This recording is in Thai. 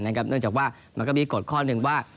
เนื่องจากว่ามันก็มีกฎข้อหนึ่งว่า